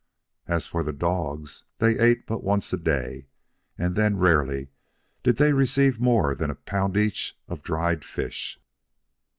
As for the dogs, they ate but once a day, and then rarely did they receive more than a pound each of dried fish.